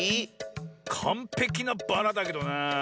かんぺきなバラだけどなあ。